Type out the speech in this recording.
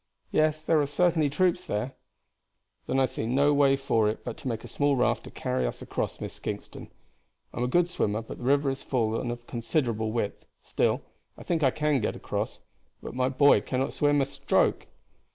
Yes, there are certainly troops there " "Then I see no way for it but to make a small raft to carry us across, Miss Kingston. I am a good swimmer, but the river is full and of considerable width; still, I think I can get across. But my boy cannot swim a stroke."